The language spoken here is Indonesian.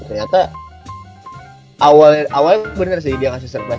ternyata awalnya bener sih dia kasih surprise